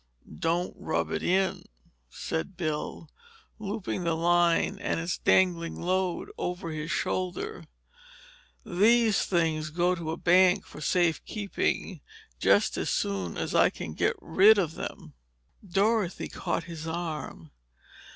"Don't rub it in," said Bill, looping the line and its dangling load over his shoulder. "These things go to a bank for safe keeping just as soon as I can get rid of them." Dorothy caught his arm.